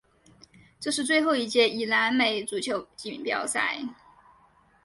这是最后一届以南美足球锦标赛。